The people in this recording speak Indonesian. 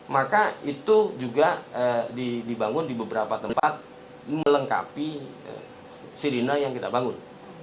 maka itu juga dibangun di beberapa tempat melengkapi sirine yang kita bangun